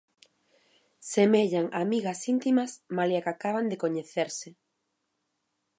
Semellan, amigas íntimas, malia que acaban de coñecerse.